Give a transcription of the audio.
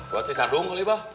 buat sesadung kali abah